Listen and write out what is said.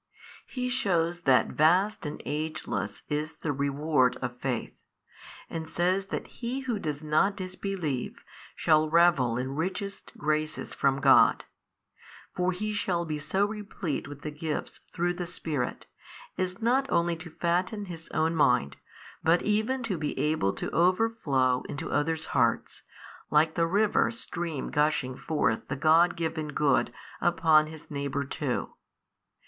He shews that vast and ageless is the reward of faith, and says that he who does not disbelieve shall revel in richest graces from God. For he shall be so replete with the gifts through the Spirit, as not only to fatten his own mind, but even to be able to overflow into others' hearts, like the river stream gushing forth the God given good upon his neighbour too.